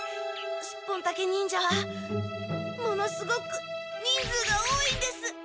スッポンタケ忍者はものすごく人数が多いんです。